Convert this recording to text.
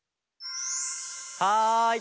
はい！